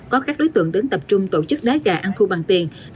có các đối tượng đến tập trung tổ chức đá gà ăn thu bằng tiền